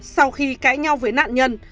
sau khi cãi nhau với nạn nhân